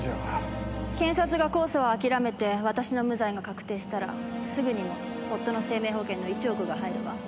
検察が控訴を諦めて私の無罪が確定したらすぐにも夫の生命保険の１億が入るわ。